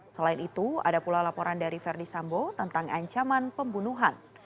selain itu ada pula laporan dari verdi sambo tentang ancaman pembunuhan